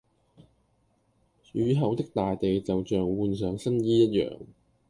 雨後的大地就像換上新衣一樣